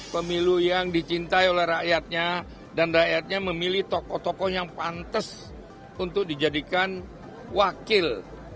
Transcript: pemilu yang dicintai oleh rakyatnya dan rakyatnya memilih tokoh tokoh yang pantas untuk dijadikan wakil